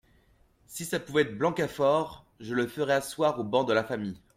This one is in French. Si ça pouvait être Blancafort ! je le ferais asseoir au banc de l’infamie.